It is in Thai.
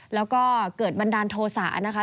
แล้วก็เกิดบันดาลโทษะนะคะ